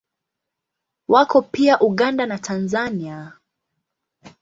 Wako pia Uganda na Tanzania.